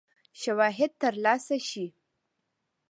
شواهد تر لاسه شي.